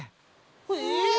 え！？